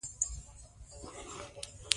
افغانستان د غزني لپاره مشهور دی.